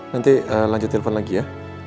nanti lanjut telepon lagi ya